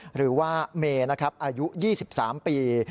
หรือว่าเมย์นะครับอายุ๒๓ปี